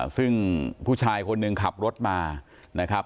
ซึ่งผู้ชายคนหนึ่งขับรถมานะครับ